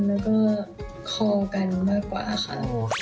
แล้วก็คอกันมากกว่าค่ะ